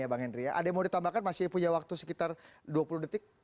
ada yang mau ditambahkan masih punya waktu sekitar dua puluh detik